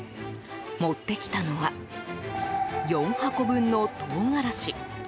持ってきたのは４箱分の唐辛子。